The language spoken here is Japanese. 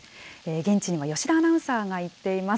現地には吉田アナウンサーが行っています。